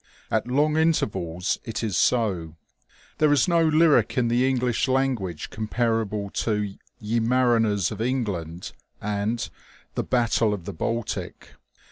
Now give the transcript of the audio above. At long intervals it is so. There is no lyric in the English language comparable to " Ye Mariners of England," and "The Battle of the Baltic."